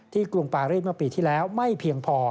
ที่กรุงปารีสมาปีที่แล้วไม่เพียงพอ